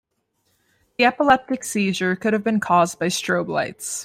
The epileptic seizure could have been cause by the strobe lights.